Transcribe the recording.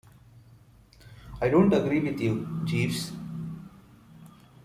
I don't agree with you, Jeeves.